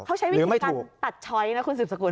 เขาใช้วิธีการตัดช้อยนะคุณสืบสกุล